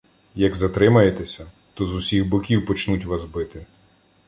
Як затримаєтеся, то з усіх боків почнуть вас бити.